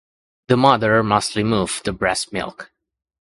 The mother must remove the breast milk.